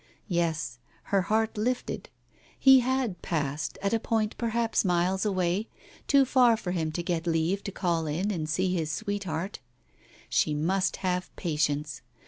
Yes, her heart lifted ; he had passed, at a point perhaps miles away, too far for him to get leave to call in and see his sweetheart. She must have patience.